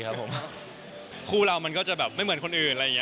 ลูกคุยังจะไม่เหมือนคนอื่น